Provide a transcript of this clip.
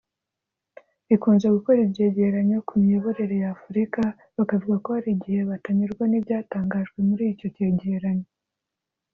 rikunze gukora ibyegeranyo ku miyoborere ya Afurika ndetse bakavuga ko hari igihe batanyurwa n’ibyatangajwe muri icyo cyegeranyo